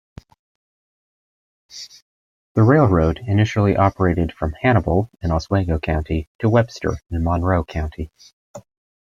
The railroad initially operated from Hannibal in Oswego County to Webster in Monroe County.